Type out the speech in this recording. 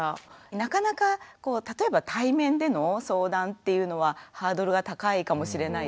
なかなかこう例えば対面での相談っていうのはハードルが高いかもしれないですね。